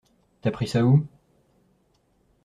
T'as pris ça où?